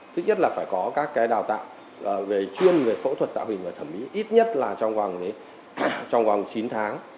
tức nhất là phải có các cái đào tạo về chuyên về phẫu thuật tạo hình và thẩm mỹ ít nhất là trong vòng chín tháng